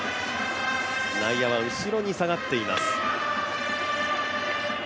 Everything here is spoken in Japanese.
内野は後ろに下がっています。